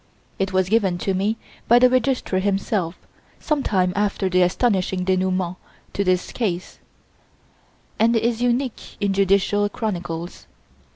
It was given to me by the Registrar himself, some time after the astonishing denouement to this case, and is unique in judicial chronicles.